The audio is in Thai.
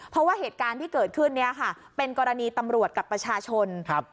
เพราะว่าเหตุการณ์ที่เกิดขึ้นเนี่ยค่ะเป็นกรณีตำรวจกับประชาชนครับ